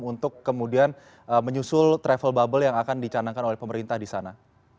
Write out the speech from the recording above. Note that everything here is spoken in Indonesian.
untuk kemudian menyusul travel bubble yang akan dicanangkan oleh pemerintah di sana